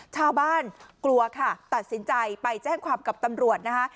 กลัวค่ะตัดสินใจไปแจ้งความกับตำรวจนะคะ